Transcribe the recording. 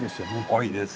多いです。